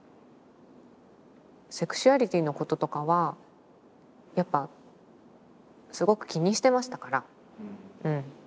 セクシュアリティのこととかはやっぱすごく気にしてましたからうん。